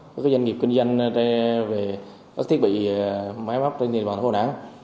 các doanh nghiệp kinh doanh về các thiết bị máy bắp trên nền bản phố nẵng